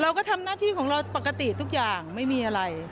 เราก็ทำหน้าที่ของเราปกติทุกอย่างไม่มีอะไร